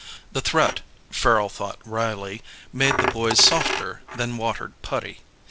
The threat, Farrel thought wryly, made the boys softer than watered putty.